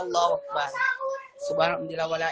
wa'alaikumsalam subhanallahumma dila walaa